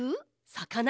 さかな？